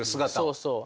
そうそう。